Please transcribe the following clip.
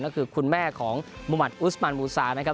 ก็คือคุณแม่ของมุมัติอุสมันมูซานะครับ